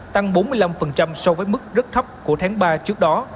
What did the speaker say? tăng bốn mươi năm so với mức rất thấp của tháng ba trước đó